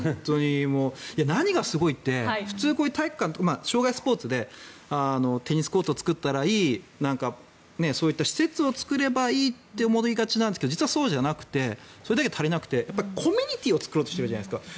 何がすごいって普通、こういう体育館生涯スポーツでテニスコートを作ったらいいとかそういった施設を作ればいいと思いがちですが実はそうじゃなくてそれだけじゃ足りなくてコミュニティーを作ろうとしているじゃないですか。